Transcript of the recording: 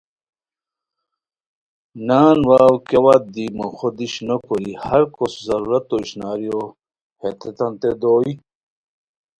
نان واؤ کیہ وت دی موخو دیش نوکوری ہر کوس ضرورتو اشناریو ہتیتانتین دوئے